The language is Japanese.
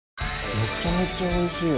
めちゃめちゃおいしい。